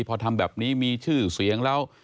พอทำแบบนี้มีชื่อเสียงแล้ว